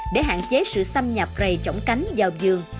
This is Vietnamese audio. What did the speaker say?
để hạn chế sự xâm nhập rầy chổng cánh vào vườn